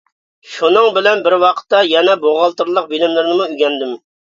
شۇنىڭ بىلەن بىر ۋاقىتتا يەنە بوغالتىرلىق بىلىملىرىنىمۇ ئۆگەندىم.